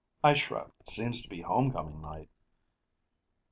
I shrugged. "Seems to be homecoming night."